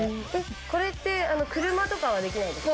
これって車とかはできないんですか？